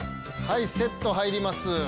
セット入ります。